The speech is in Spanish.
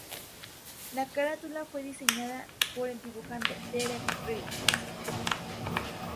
La carátula fue diseñada por el dibujante Derek Riggs.